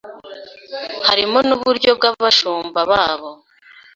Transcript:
harimo nuburyo bwabashumba babo